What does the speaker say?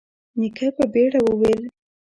نيکه په بيړه وويل: